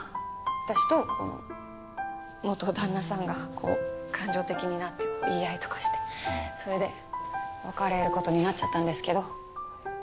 私と元旦那さんがこう感情的になって言い合いとかしてそれで別れる事になっちゃったんですけど。